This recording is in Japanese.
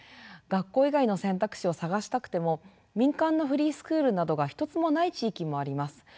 学校以外の選択肢を探したくても民間のフリースクールなどが一つもない地域もあります。